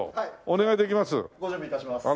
お願いできます？